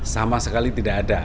sama sekali tidak ada